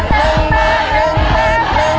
ไม่ออกไปเลย